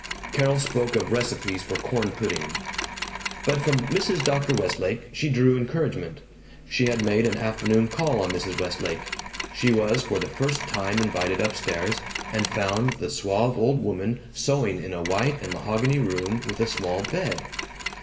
Carol spoke of recipes for corn pudding. But from Mrs. Dr. Westlake she drew encouragement. She had made an afternoon call on Mrs. Westlake. She was for the first time invited up stairs, and found the suave old woman sewing in a white and mahogany room with a small bed.